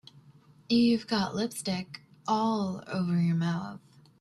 You've got lipstick all over your mouth.